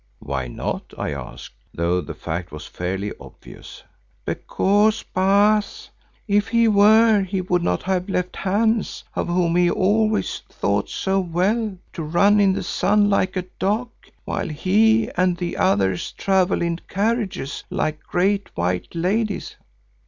"Why not?" I asked, though the fact was fairly obvious. "Because, Baas, if he were, he would not have left Hans, of whom he always thought so well, to run in the sun like a dog, while he and others travel in carriages like great white ladies."